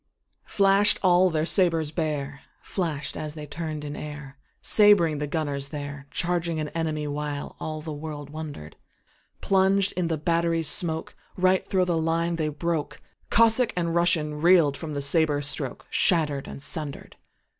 Flash'd all their sabres bare, Flash'd as they turn'd in airSabring the gunners there, Charging an army, whileAll the world wonder'd:Plunged in the battery smokeRight thro' the line they broke; Cossack and RussianReel'd from the sabre strokeShatter'd and sunder'd.